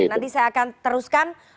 nanti saya akan teruskan